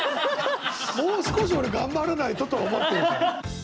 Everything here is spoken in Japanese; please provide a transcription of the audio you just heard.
もう少し俺頑張らないととは思ってるから。